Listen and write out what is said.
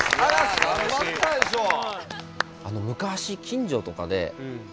いや頑張ったでしょう。